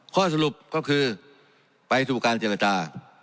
ข้อสรุปก็คือไปสู่การเจรจา